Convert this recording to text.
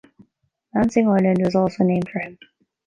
Lansing Island was also named for him.